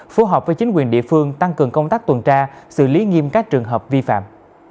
phù hợp với chính quyền địa phương tăng cường công tác tuần tra xử lý nghiêm các trường hợp vi phạm